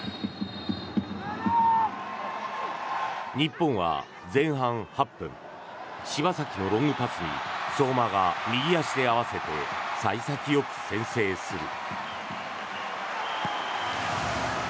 日本は前半８分柴崎のロングパスに相馬が右足で合わせて幸先よく先制する。